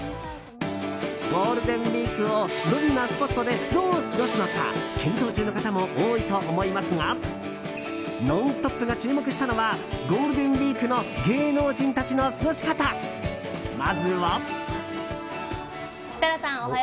ゴールデンウィークをどんなスポットでどう過ごすのか検討中の方も多いと思いますが「ノンストップ！」が注目したのはゴールデンウィークの芸能人たちの過ごし方。まずは。